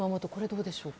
どうでしょうか？